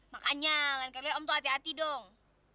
makanya jangan kayak gini om tuh hati hati dong